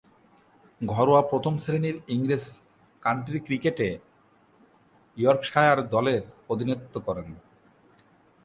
ঘরোয়া প্রথম-শ্রেণীর ইংরেজ কাউন্টি ক্রিকেটে ইয়র্কশায়ার দলের প্রতিনিধিত্ব করেন।